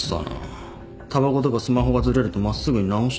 たばことかスマホがずれると真っすぐに直してる。